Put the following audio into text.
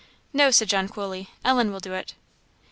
"No," said John, coolly. "Ellen will do it."